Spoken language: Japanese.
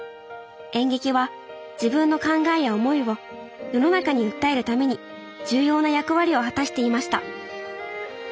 演劇は自分の考えや思いを世の中に訴えるために重要な役割を果たしていました。